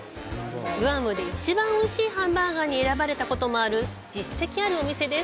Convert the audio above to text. グアムで一番おいしいハンバーガーに選ばれたこともある実績あるお店です。